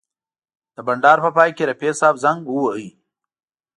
د بنډار په پای کې رفیع صاحب زنګ وواهه.